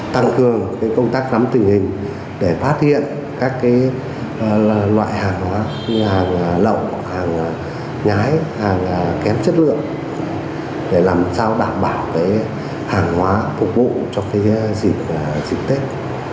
tăng cường công tác nắm tình hình để phát hiện các loại hàng hóa như hàng lậu hàng nhái hàng kém chất lượng để làm sao đảm bảo hàng hóa phục vụ cho dịp tết